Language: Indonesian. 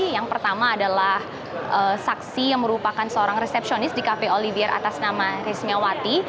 yang pertama adalah saksi yang merupakan seorang resepsionis di cafe olivier atas nama rismawati